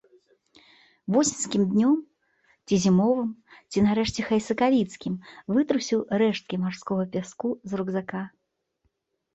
Восеньскім днём, ці зімовым, ці нарэшце хай сакавіцкім вытрусіў рэшткі марскога пяску з рукзака.